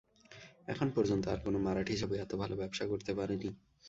এখন পর্যন্ত আর কোনো মারাঠি ছবি এত ভালো ব্যবসা করতে পারেনি।